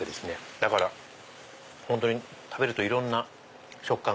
だから本当に食べるといろんな食感が。